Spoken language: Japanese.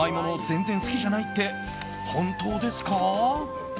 全然好きじゃないって本当ですか？